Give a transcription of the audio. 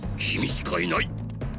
きみしかいない！